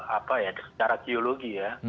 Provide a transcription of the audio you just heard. apa ya secara teologi ya